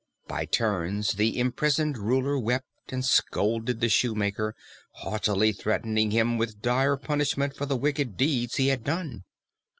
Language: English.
By turns the imprisoned Ruler wept and scolded the Shoemaker, haughtily threatening him with dire punishment for the wicked deeds he had done.